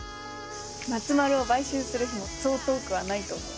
まつまるを買収する日もそう遠くはないと思う。